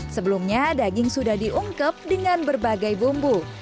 sebelumnya daging sudah diungkep dengan berbagai bumbu